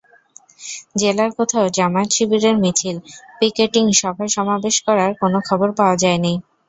জেলার কোথাও জামায়াত-শিবিরের মিছিল, পিকেটিং সভা-সমাবেশ করার কোনো খবর পাওয়া যায়নি।